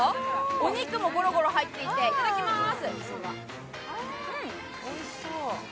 お肉もゴロゴロ入ってて、いただきます。